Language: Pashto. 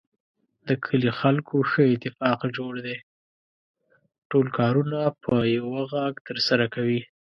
د کلي خلکو ښه اتفاق جوړ دی. ټول کارونه په یوه غږ ترسره کوي.